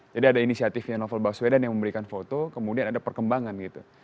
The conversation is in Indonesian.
jadi ada inisiatifnya novel baswedan yang memberikan foto kemudian ada perkembangan gitu